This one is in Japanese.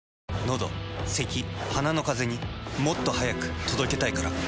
のどせき鼻のカゼにもっと速く届けたいから。